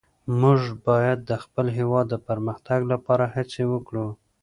موږ باید د خپل هېواد د پرمختګ لپاره هڅې وکړو.